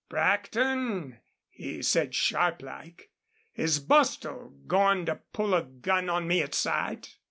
'Brackton,' he said, sharp like, 'is Bostil goin' to pull a gun on me at sight?'